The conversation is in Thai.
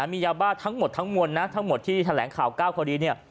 มียาบ้าทั้งหมดทั้งมวลนะทั้งหมดที่แถลงข่าว๙คดีเนี่ย